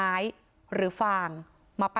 นี่แหละตรงนี้แหละ